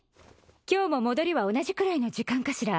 今日も戻りは同じくらいの時間かしら？